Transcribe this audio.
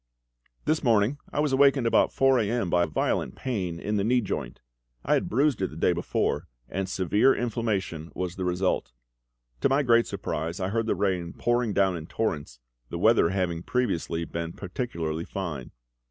_ This morning I was awakened about 4 A.M. by violent pain in the knee joint. I had bruised it the day before, and severe inflammation was the result. To my great surprise I heard the rain pouring down in torrents, the weather having previously been particularly fine.